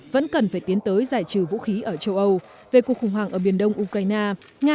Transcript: vẫn cần phải tiến tới giải trừ vũ khí ở châu âu về cuộc khủng hoảng ở biển đông ukraine